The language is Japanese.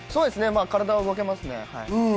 体は動けますね。